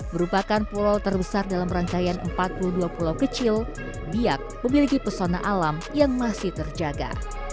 merupakan pulau terbesar dalam rangkaian empat puluh dua pulau kecil biak memiliki pesona alam yang masih terjaga